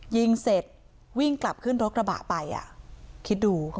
ยิงเสร็จวิ่งกลับขึ้นรถกระบะไปอ่ะคิดดู